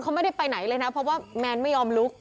เขาไม่ได้ไปไหนเลยนะเพราะว่าแมนไม่ยอมลุก